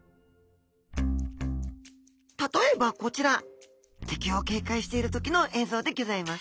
例えばこちら！敵を警戒している時の映像でギョざいます